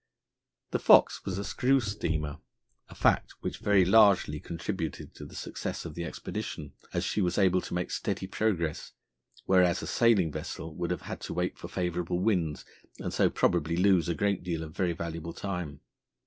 The Fox was a screw steamer, a fact which very largely contributed to the success of the expedition, as she was able to make steady progress, whereas a sailing vessel would have had to wait for favourable winds and so probably lose a great deal of very valuable time.